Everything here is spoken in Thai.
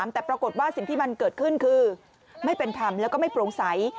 แต่ปรากฏว่าสิ่งที่มันเกิดขึ้นคือไม่เป็นธรรมแล้วก็ไม่โปร่งใส